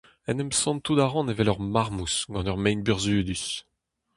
En em santout a ran evel ur marmouz gant ur maen burzhudus !